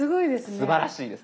すばらしいです。